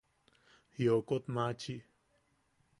Jiokot machi.